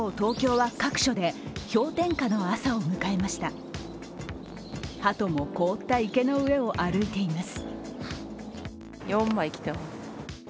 はとも凍った池の上を歩いています。